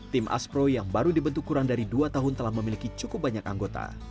tim aspro yang baru dibentuk kurang dari dua tahun telah memiliki cukup banyak anggota